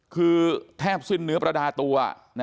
คือแทบสิ้นเนื้อประดาตัว